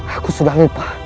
aku sudah lupa